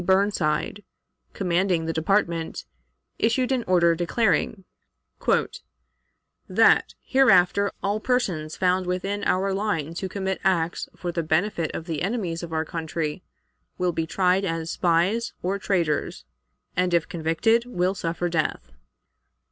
Burnside, commanding the Department, issued an order, declaring "That, hereafter, all persons found within our lines who commit acts for the benefit of the enemies of our country will be tried as spies or traitors, and, if convicted, will suffer death."